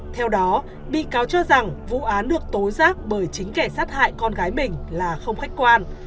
theo đó bị cáo cho rằng vụ án được tố giác bởi chính kẻ sát hại con gái mình là không khách quan